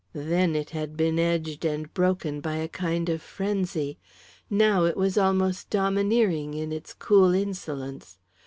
Then it had been edged and broken by a kind of frenzy; now it was almost domineering in its cool insolence.